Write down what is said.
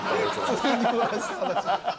普通に漏らした話。